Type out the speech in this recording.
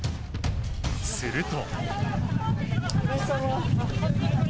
すると。